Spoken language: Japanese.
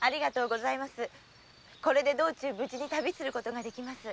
これで道中無事に旅することができます。